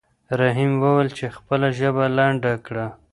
رحیم وویل چې خپله ژبه لنډه کړه.